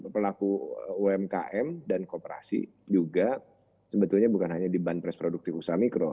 pelaku umkm dan kooperasi juga sebetulnya bukan hanya di banpres produktif usaha mikro